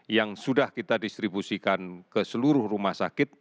yang sudah kita distribusikan ke seluruh rumah sakit